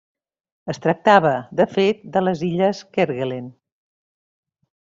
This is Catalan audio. Es tractava, de fet, de les illes Kerguelen.